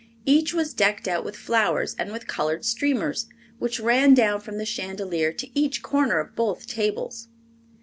Each was decked out with flowers and with colored streamers, which ran down from the chandelier to each corner of both tables.